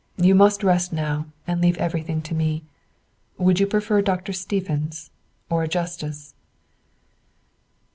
You must rest now, and leave everything to me. Would you prefer Dr. Stephens or a justice?"